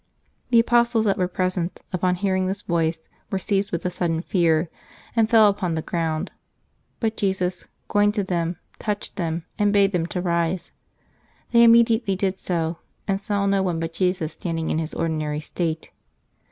The apostles that were present, upon hearing this voice, were seized with a sudden fear, and fell upon the ground ; but Jesus, going to them, touched them, and bade them to rise. They immediately did so, and saw no one but Jesus standing in his ordinary state.